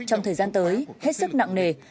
trong thời gian tới hết sức nặng nề